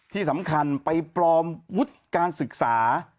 ที่สำคัญไปปลอมวุฒิการศึกษา